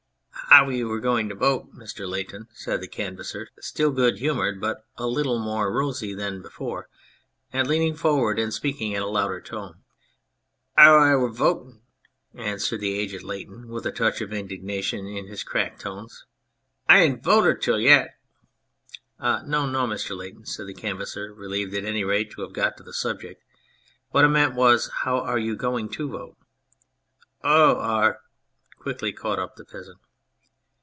"How you were going to vote, Mr. Lay ton," said the Canvasser, still good humoured, but a little more rosy than before, and leaning forward and speaking in a louder tone. " Ow I were voattun ?" answered the aged Lay ton with a touch of indignation in his cracked tones, " I ain't voattud 'tarl yet !" "No, no, Mr. Lay ton," said the Canvasser, relieved at any rate to have got to the subject. " What I meant was how are you going to vote ?"" Oo ! Ar !" quickly caught up the peasant.